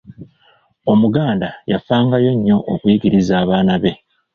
Omuganda yafangayo nnyo okuyigiriza abaana be